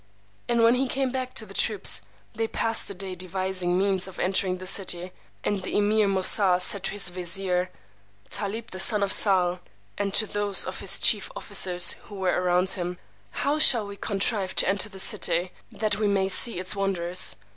And when he came back to the troops, they passed the day devising means of entering the city; and the Emeer Moosà said to his Wezeer, Tálib the son of Sahl, and to those of his chief officers who were around him, How shall we contrive to enter the city, that we may see its wonders?